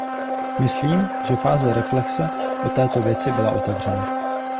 Myslím, že fáze reflexe o této věci byla otevřena.